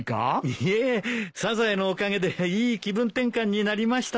いえサザエのおかげでいい気分転換になりました。